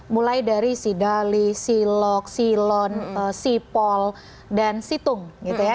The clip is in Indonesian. mulai dari sidali silok silon sipol dan situng gitu ya